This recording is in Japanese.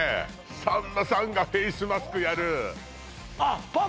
さんまさんがフェイスマスクやる